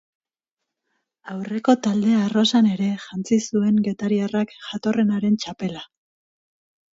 Aurreko talde arrosan ere jantzi zuen getariarrak jatorrenaren txapela.